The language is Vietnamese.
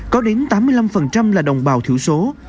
có đến tám mươi năm là đồng bào thiểu số